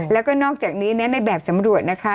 แล้วก็นอกจากนี้ในแบบสำรวจนะคะ